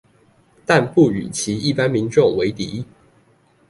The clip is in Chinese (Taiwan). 但不與其一般民眾為敵